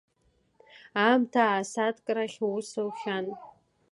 Аамҭа аа-сааҭк рахь аус аухьан.